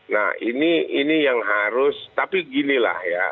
nah ini yang harus tapi ginilah ya